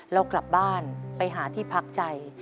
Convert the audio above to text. เรากลับบ้านไปหาที่พักใจ